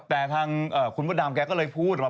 แต่ทางคุณมดดำแกก็เลยพูดว่า